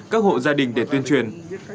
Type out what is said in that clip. các hộ gia đình để tuyên truyền